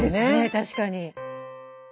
確かに。